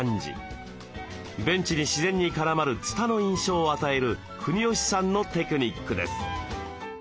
ベンチに自然に絡まるつたの印象を与える国吉さんのテクニックです。